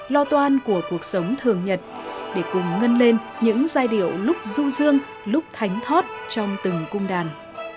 lo toan của cuộc sống thường nhật để cùng ngân lên những giai điệu lúc du dương lúc thánh thót trong từng cung đàn